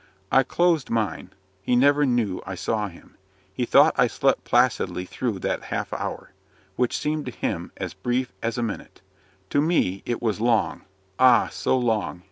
I closed mine. He never knew I saw him. He thought I slept placidly through that half hour; which seemed to him as brief as a minute. To me it was long ah, so long!